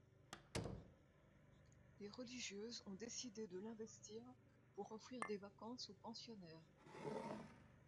Les religieuses ont décidé de l'investir pour offrir des vacances aux pensionnaires.